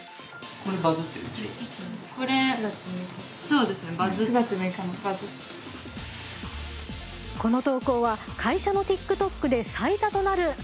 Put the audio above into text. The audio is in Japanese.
この投稿は会社のＴｉｋＴｏｋで最多となる３万の再生数を獲得。